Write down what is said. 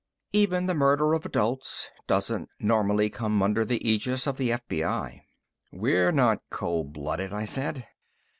Even the murder of adults doesn't normally come under the aegis of the FBI. "We're not cold blooded," I said.